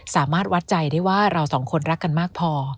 สามารถวัดใจได้ว่าเราสองคนรักกันมากพอ